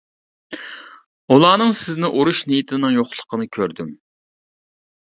ئۇلارنىڭ سىزنى ئۇرۇش نىيىتىنىڭ يوقلۇقىنى كۆردۈم.